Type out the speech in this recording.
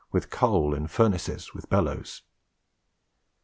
with coal, in furnaces, with bellows."